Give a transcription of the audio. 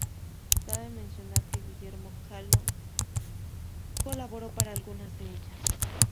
Cabe mencionar que Guillermo Kahlo colaboró para algunas de ellas.